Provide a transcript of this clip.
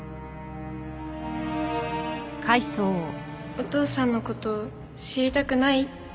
お父さんの事知りたくない？って。